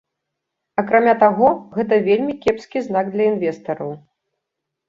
Акрамя таго, гэта вельмі кепскі знак для інвестараў.